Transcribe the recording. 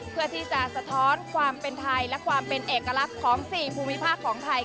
เพื่อที่จะสะท้อนความเป็นไทยและความเป็นเอกลักษณ์ของ๔ภูมิภาคของไทย